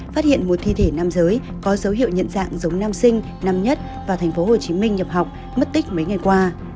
phát hiện một thi thể nam giới có dấu hiệu nhận dạng giống nam sinh năm nhất vào tp hcm nhập học mất tích mấy ngày qua